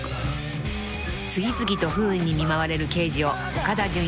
［次々と不運に見舞われる刑事を岡田准一さん］